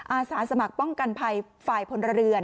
อาสาสมัครป้องกันภัยฝ่ายพลเรือน